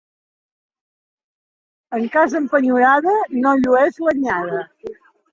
En casa empenyorada no llueix l'anyada.